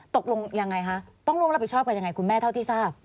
ตกลงยังไงคะต้องร่วมรับผิดชอบกันยังไงคุณแม่เท่าที่ทราบ